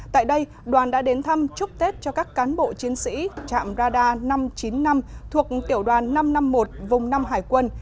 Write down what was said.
tại đây đoàn đã đến thăm chúc tết cho các cán bộ chiến sĩ trạm radar năm trăm chín mươi năm thuộc tiểu đoàn năm trăm năm mươi một vùng năm hải quân